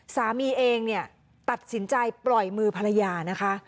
สามีเองเนี่ยตัดสินใจปล่อยมือภรรยานะคะ